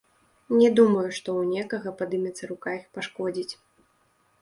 Не думаю, што ў некага падымецца рука іх пашкодзіць.